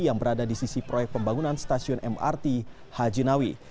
yang berada di sisi proyek pembangunan stasiun mrt haji nawi